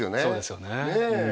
そうですよねうん